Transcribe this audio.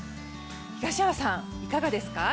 東山さん、いかがですか？